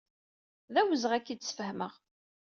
D awezɣi ad ak-t-id-sfehmeɣ.